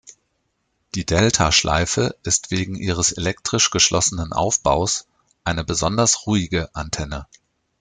Die Delta-Schleife ist wegen ihres elektrisch geschlossenen Aufbaus eine besonders ruhige Antenne.